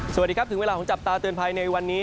สวัสดีครับถึงเวลาของจับตาเตือนภัยในวันนี้